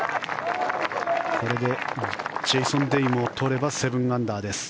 これでジェイソン・デイも取れば７アンダーです。